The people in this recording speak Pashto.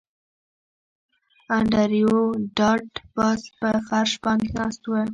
انډریو ډاټ باس په فرش باندې ناست و